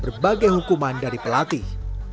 berbagai hukuman dari pelatih